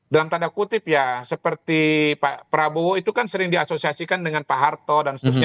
dalam tanda kutip ya seperti pak prabowo itu kan sering diasosiasikan dengan pak harto dan seterusnya